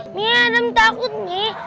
mi adam takut mi